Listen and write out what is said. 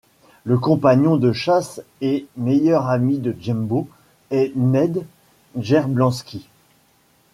Le compagnon de chasse et meilleur ami de Jimbo est Ned Gerblansky.